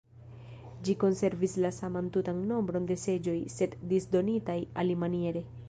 Ĝi konservis la saman tutan nombron de seĝoj, sed disdonitaj alimaniere.